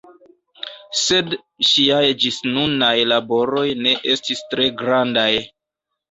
Sed ŝiaj ĝisnunaj laboroj ne estis tre grandaj.